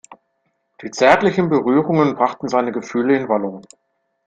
Die zärtlichen Berührungen brachten seine Gefühle in Wallung.